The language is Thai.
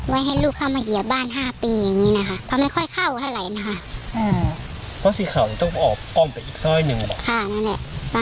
ให้ลูกเข้ามาเหยียบบ้าน๕ปีอย่างนี้นะคะเขาไม่ค่อยเข้าเท่าไหร่นะคะ